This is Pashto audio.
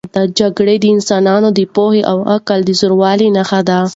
جګړه د انسانانو د پوهې او عقل د زوال نښه ده.